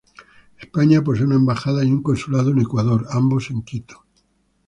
España posee una embajada y un consulado en Ecuador, ambos en Quito.